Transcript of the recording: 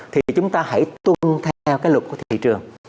thì chúng ta hãy tuân theo cái luật của thị trường